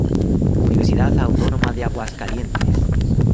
Universidad Autónoma de Aguascalientes.